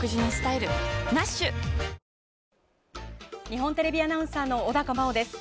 日本テレビアナウンサーの小高茉緒です。